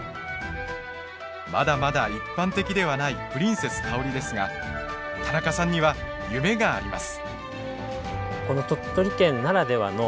まだまだ一般的ではないプリンセスかおりですが田中さんには夢があります。